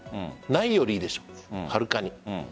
ないよりいいでしょう、はるかに。